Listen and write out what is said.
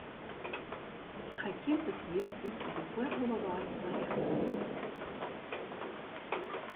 Hy kjimt it hier út de foarholle wei nei efteren ta.